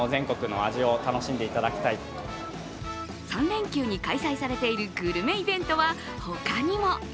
３連休に開催されているグルメイベントは他にも。